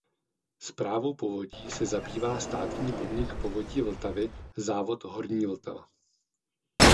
Správou povodí se zabývá státní podnik Povodí Vltavy závod Horní Vltava.